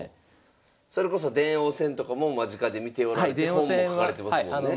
それこそ電王戦とかも間近で見ておられて本も書かれてますもんね。